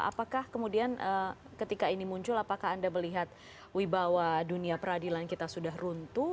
apakah kemudian ketika ini muncul apakah anda melihat wibawa dunia peradilan kita sudah runtuh